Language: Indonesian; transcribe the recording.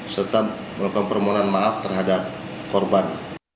serta melakukan permohonan maaf terhadap korban